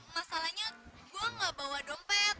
masalahnya gue gak bawa dompet